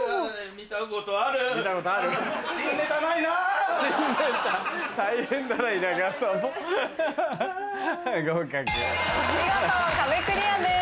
見事壁クリアです。